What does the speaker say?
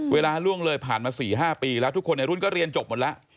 เวลาร่วมเลยเผามา๔๕ปีทุกคนในรุ่นก็เรียนจบหมดแล้ว